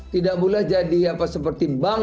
tidak boleh jadi seperti bank